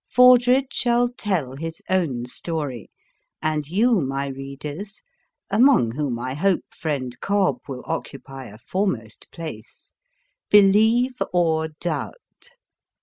Fordred shall tell his own story, and you, my readers (among whom I hope friend Cobb will occupy a foremost place,) believe or doubt!